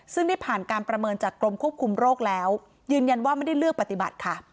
ซึ่งได้ผ่านการประเมินจากกรมควบคุมโรคแล้วยืนยันว่าไม่ได้เลือกปฏิบัติค่ะ